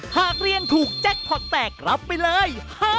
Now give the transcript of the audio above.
หากเรียนถูกแจ็คพอร์ตแตกรับไปเลย